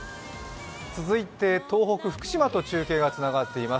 続いて、東北・福島と中継がつながっています。